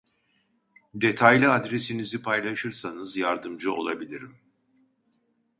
Detaylı adresinizi paylaşırsanız yardımcı olabilirim.